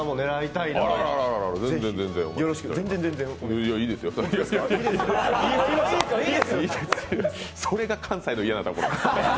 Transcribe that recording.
いいですよ、それが関西の嫌なところ。